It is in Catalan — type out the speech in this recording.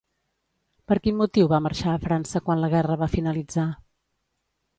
Per quin motiu va marxar a França quan la guerra va finalitzar?